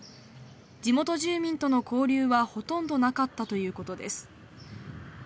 地元住民との交流はほとんどなかったということです。